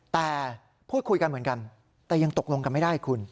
แต่พูดคุยกันเหมือนกันแต่ยังตกลงกันไม่ได้คุณ